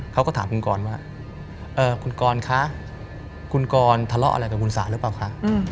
เขาก็ถามคุณกรว่าคุณกรคะคุณกรทะเลาะอะไรกับคุณสาหรือเปล่าคะ